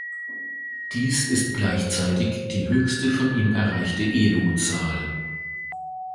Dies ist gleichzeitig die höchste von ihm erreichte Elo-Zahl.